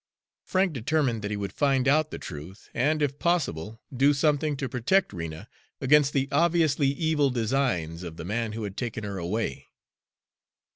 Frank determined that he would find out the truth and, if possible, do something to protect Rena against the obviously evil designs of the man who had taken her away.